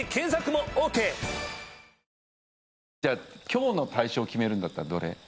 今日の大賞決めるんだったらどれ？